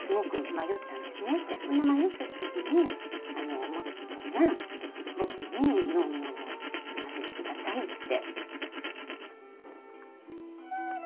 そんな迷ってる時に元規君が僕に農業を継がせてくださいって。